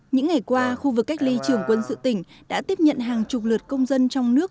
những ngày qua khu vực cách ly trường quân sự tỉnh đã tiếp nhận hàng chục lượt công dân trong nước